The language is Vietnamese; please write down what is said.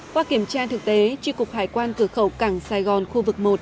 qua kiểm tra thực tế tri cục hải quan cửa khẩu cảng sài gòn khu vực một